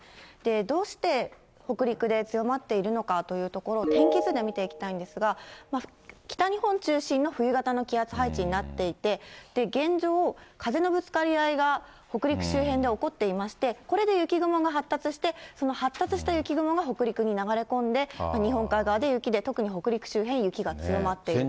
どうして北陸で強まっているのかというところを、天気図で見ていきたいんですが、北日本中心の冬型の気圧配置になっていて、現状、風のぶつかり合いが北陸周辺で起こっていまして、これで雪雲が発達して、その発達した雪雲が北陸に流れ込んで、日本海側で雪で、特に北陸周辺、雪が強まっていると。